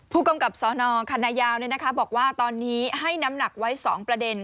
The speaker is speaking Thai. ผู้กำกับสนคันนายาวบอกว่าตอนนี้ให้น้ำหนักไว้๒ประเด็น